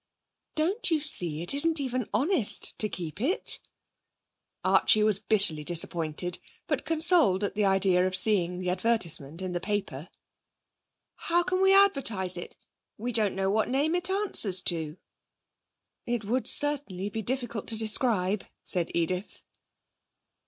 'Don't you see it isn't even honest to keep it?' Archie was bitterly disappointed, but consoled at the idea of seeing the advertisement in the paper. 'How can we advertise it? We don't know what name it answers to.' 'It would certainly be difficult to describe,' said Edith.